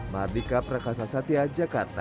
mardika prakasa satya jakarta